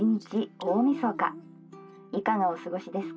大みそかいかがお過ごしですか？